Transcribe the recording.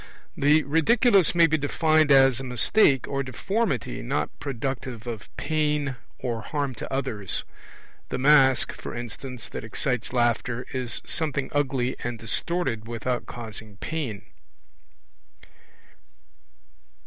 The Ridiculous may be defined as a mistake or deformity not productive of pain or harm to others; the mask, for instance, that excites laughter, is something ugly and distorted without causing pain.